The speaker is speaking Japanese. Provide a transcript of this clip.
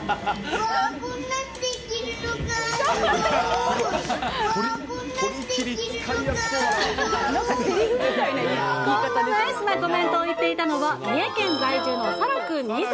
わあ、ナイスなコメントを言っていたのは、三重県在住のサラくん２歳。